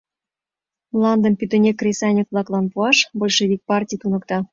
Мландым пӱтынек кресаньык-влаклан пуаш большевик партий туныкта.